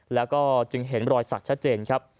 แล้วก็จึงเห็นรอยสักชัดเจนครับ